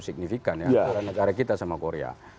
signifikan ya makanya kita sama korea